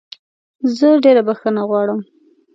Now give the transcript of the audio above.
زه ډېره بخښنه غواړم.